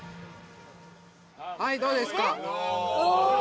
はいどうですか？